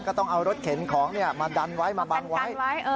ก็ต้องเอารถเข็นของมาดันไว้มาบังไว้